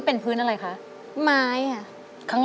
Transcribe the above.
ทั้งในเรื่องของการทำงานเคยทำนานแล้วเกิดปัญหาน้อย